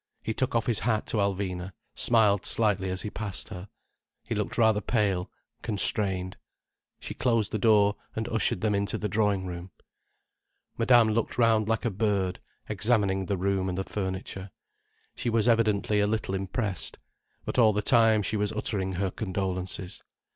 He took off his hat to Alvina, smiled slightly as he passed her. He looked rather pale, constrained. She closed the door and ushered them into the drawing room. Madame looked round like a bird, examining the room and the furniture. She was evidently a little impressed. But all the time she was uttering her condolences.